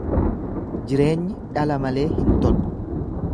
Jireenyi dhala malee hin tolu.